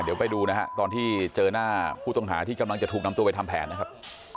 เดี๋ยวไปดูนะฮะตอนที่เจอหน้าผู้ต้องหาที่กำลังจะถูกนำตัวไปทำแผนนะครับ